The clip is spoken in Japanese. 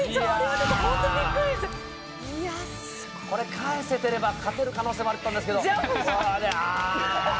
返せてれば、勝てる可能性あったんですけど。